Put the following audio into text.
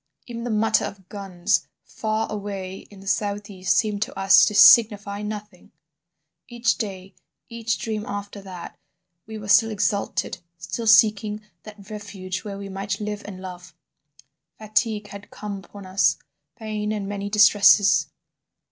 "Even the mutter of guns far away in the south east seemed to us to signify nothing ... "Each day, each dream after that, we were still exalted, still seeking that refuge where we might live and love. Fatigue had come upon us, pain and many distresses.